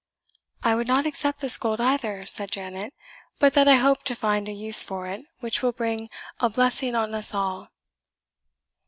"I would not accept this gold either," said Janet, "but that I hope to find a use for it which will bring a blessing on us all."